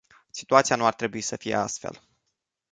Situația nu ar trebui să fie astfel.